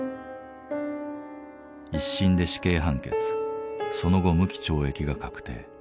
１審で死刑判決その後無期懲役が確定。